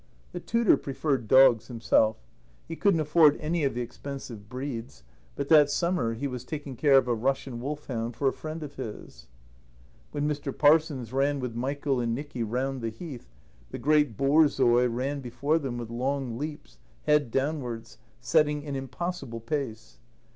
The tutor preferred dogs himself. He couldn't afford any of the expensive breeds; but that summer he was taking care of a Russian wolfhound for a friend of his. When Mr. Parsons ran with Michael and Nicky round the Heath, the great borzoi ran before them with long leaps, head downwards, setting an impossible pace.